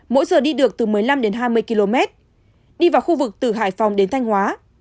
mỗi giờ đi được từ một mươi năm đến hai mươi km đi vào khu vực từ hải phòng đến thanh hóa